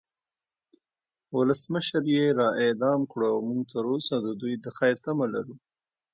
ولسمشر یی را اعدام کړو او مونږ تروسه د دوی د خیر تمه لرو